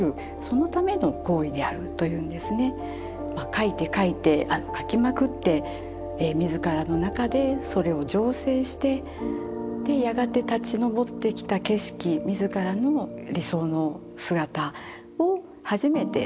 描いて描いて描きまくって自らの中でそれを醸成してでやがて立ちのぼってきた景色自らの理想の姿を初めて絵にするんだということです。